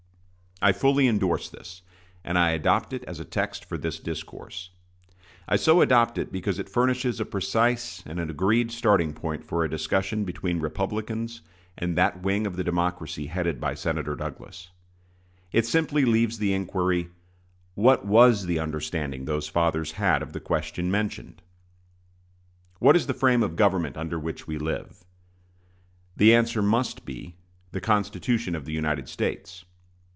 I fully indorse this, and I adopt it as a text for this discourse. I so adopt it because it furnishes a precise and an agreed starting point for a discussion between Republicans and that wing of the Democracy headed by Senator Douglas. It simply leaves the inquiry: What was the understanding those fathers had of the question mentioned? What is the frame of government under which we live? The answer must be, "The Constitution of the United States."